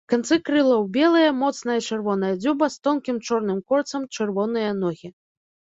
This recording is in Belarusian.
Канцы крылаў белыя, моцная чырвоная дзюба з тонкім чорным кольцам, чырвоныя ногі.